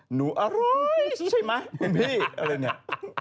หนูอร่อยใช่ไหมแบบนี้อะไรเนี่ย